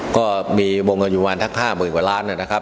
ก็มีมงวงงานยุมวันทัก๕หมื่นกว่าร้าน